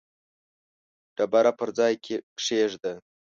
ډبره پر ځای کښېږده.